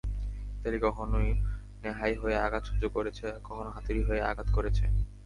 Italy কখনো নেহাই হয়ে আঘাত সহ্য করেছে, কখনো হাতুড়ি হয়ে আঘাত করেছে।